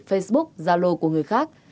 facebook zalo của người khác